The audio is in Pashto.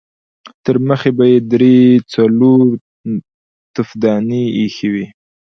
ترمخې به يې درې څلور تفدانۍ اېښې وې.